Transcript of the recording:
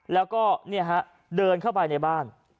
แล้วก็เดินเข้าไปในบ้าน